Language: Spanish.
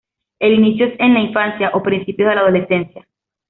El inicio es en la infancia o principios de la adolescencia.